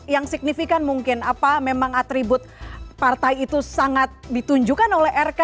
yang signifikan mungkin apa memang atribut partai itu sangat ditunjukkan oleh rk